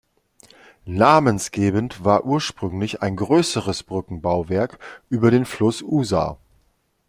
Namensgebend war ursprünglich ein größeres Brückenbauwerk über den Fluss Usa.